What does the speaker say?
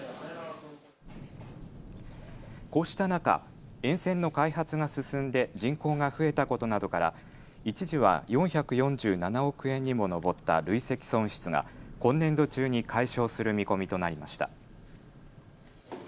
こうした中、沿線の開発が進んで人口が増えたことなどから一時は４４７億円にも上った累積損失が今年度中に解消する見込みとなりました。